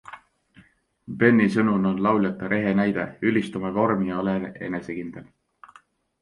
Beni sõnul on lauljatar ehe näide - ülista oma vormi ja ole enesekindel!